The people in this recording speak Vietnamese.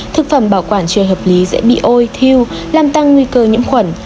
thực phẩm bảo quản trời hợp lý dễ bị ôi thiêu làm tăng nguy cơ nhiễm khuẩn